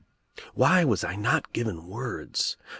Why was I not given words?